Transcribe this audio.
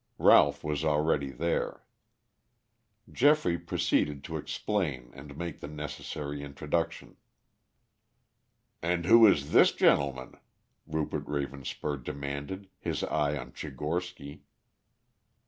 Ralph was already there. Geoffrey proceeded to explain and make the necessary introduction. "And who is this gentleman?" Rupert Ravenspur demanded, his eye on Tchigorsky.